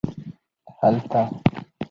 هلته